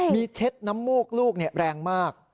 มีเช็ดน้ำมูกลูกแรงมาก